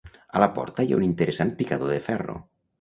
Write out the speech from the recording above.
A la porta hi ha un interessant picador de ferro.